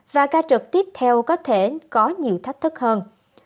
và ca trực tiếp theo có thể có nhiều thách thức hơn